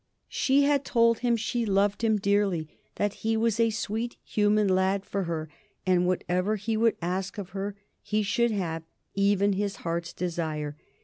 She had told him she loved him dearly, that he was a sweet human lad for her, and whatever he would ask of her he should have even his heart's desire.